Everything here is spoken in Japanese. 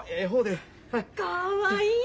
かわいい！